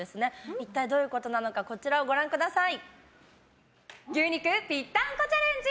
一体どういうことなのかご覧ください。